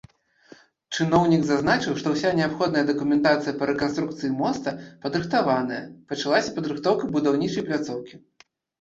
Чыноўнік зазначыў, што ўся неабходная дакументацыя па рэканструкцыі моста падрыхтаваная, пачалася падрыхтоўка будаўнічай пляцоўкі.